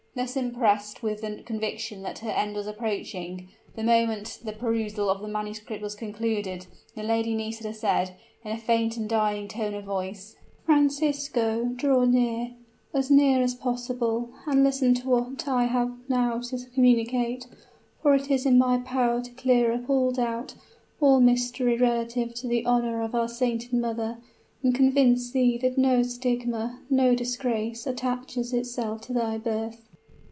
Thus impressed with the conviction that her end was approaching, the moment the perusal of the manuscript was concluded the Lady Nisida said, in a faint and dying tone of voice: "Francisco, draw near as near as possible and listen to what I have now to communicate, for it is in my power to clear up all doubt, all mystery relative to the honor of our sainted mother, and convince thee that no stigma, no disgrace attaches itself to thy birth!"